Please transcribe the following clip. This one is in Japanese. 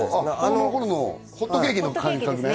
子供の頃のホットケーキの感覚ね